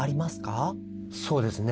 そうですね。